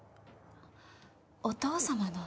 お父様の。